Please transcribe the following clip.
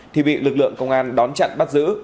thì bị lực lượng công an đón chặn bắt giữ